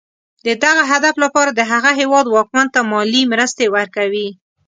د دغه هدف لپاره د هغه هېواد واکمن ته مالي مرستې ورکوي.